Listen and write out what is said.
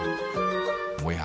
おや？